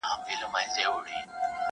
له قصرونو د نمرود به پورته ږغ د واویلا سي٫